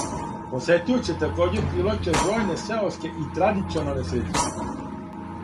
Посетиоце такође привлаче бројне сеоске и традиционалне средине.